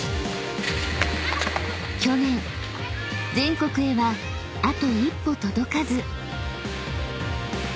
［去年全国へはあと一歩届かず］